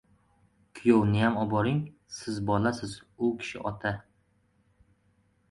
Kuyovniyam oboring. Siz bolasiz, u kishi ota.